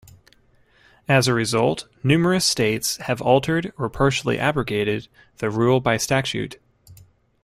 As a result numerous states have altered or partially abrogated the rule by statute.